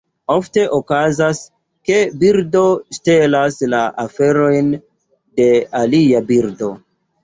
Ofte okazas, ke birdo ŝtelas la aferojn de alia birdo.